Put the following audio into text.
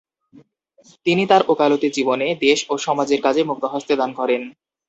তিনি তার ওকালতি জীবনে দেশ ও সমাজের কাজে মুক্তহস্তে দান করেন।